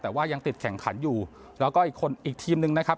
แต่ว่ายังติดแข่งขันอยู่แล้วก็อีกคนอีกทีมนึงนะครับ